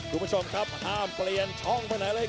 คุณผู้ชมครับห้ามเปลี่ยนช่องไปไหนเลยครับ